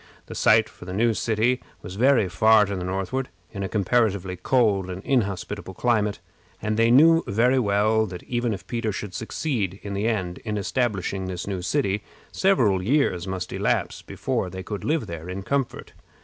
The site for the new city was very far to the northward, in a comparatively cold and inhospitable climate; and they knew very well that, even if Peter should succeed, in the end, in establishing his new city, several years must elapse before they could live there in comfort.